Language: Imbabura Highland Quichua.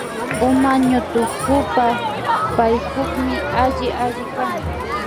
Uma ñutukupa Paykukmi alli alli kan